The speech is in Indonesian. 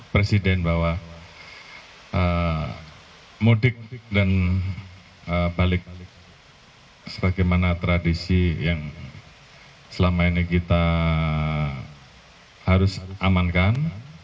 presiden bahwa mudik dan balik balik sebagaimana tradisi yang selama ini kita harus amankan